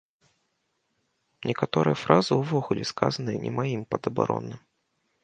Некаторыя фразы ўвогуле сказаныя не маім падабаронным.